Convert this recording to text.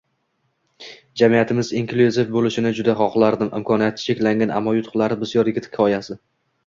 “Jamiyatimiz inklyuziv bo‘lishini juda xohlardim” - imkoniyati cheklangan, ammo yutuqlari bisyor yigit hikoyasi